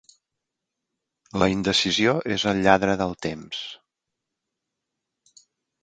La indecisió és el lladre del temps.